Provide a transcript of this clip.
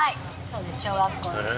そうです小学校です。